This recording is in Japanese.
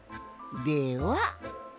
では。